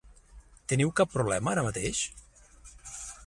Teniu cap problema ara mateix?